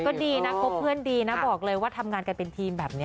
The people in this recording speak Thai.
ก็ดีนะคบเพื่อนดีนะบอกเลยว่าทำงานกันเป็นทีมแบบนี้